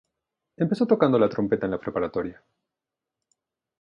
Empezó tocando la trompeta en la preparatoria.